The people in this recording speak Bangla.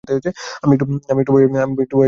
আমি একটু ভয়ে আছি এটা স্বীকার করতেই হচ্ছে।